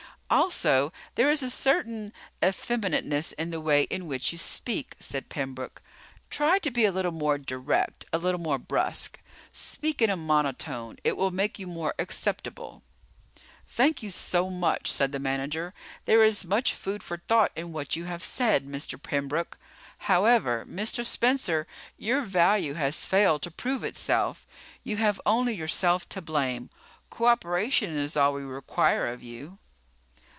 "Also, there is a certain effeminateness in the way in which you speak," said Pembroke. "Try to be a little more direct, a little more brusque. Speak in a monotone. It will make you more acceptable." "Thank you so much," said the manager. "There is much food for thought in what you have said, Mr. Pembroke. However, Mr. Spencer, your value has failed to prove itself. You have only yourself to blame. Cooperation is all we require of you."